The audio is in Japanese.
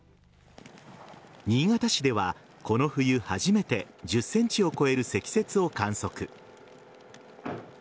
新潟市ではこの冬、初めて１０ｃｍを超える積雪を観測。